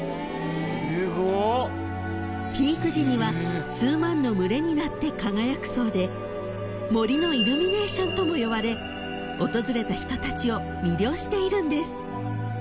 ［ピーク時には数万の群れになって輝くそうで森のイルミネーションとも呼ばれ訪れた人たちを魅了しているんです］